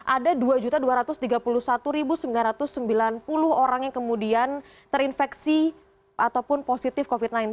ada dua dua ratus tiga puluh satu sembilan ratus sembilan puluh orang yang kemudian terinfeksi ataupun positif covid sembilan belas